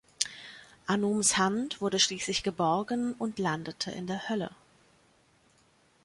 Anums Hand wurde schließlich geborgen und landete in der Hölle.